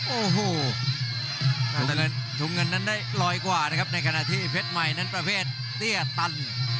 โอ้โหถุงเงินนั้นได้ลอยกว่านะครับในขณะที่เพชรใหม่นั้นประเภทเตี้ยตัน